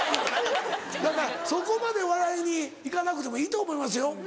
だからそこまで笑いに行かなくてもいいと思いますよ。